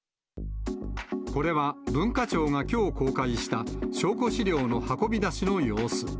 これは文化庁がきょう公開した証拠資料の運び出しの様子。